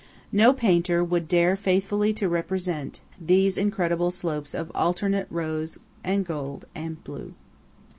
No painter would dare faithfully to represent these incredible slopes of alternate rose and gold and blue.